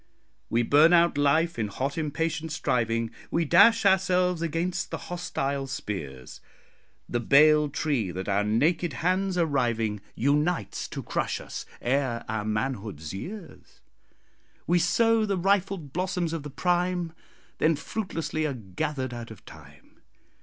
We burn out life in hot impatient striving; We dash ourselves against the hostile spears: The bale tree, that our naked hands are riving, Unites to crush us. Ere our manhood's years, We sow the rifled blossoms of the prime, Then fruitlessly are gathered out of time.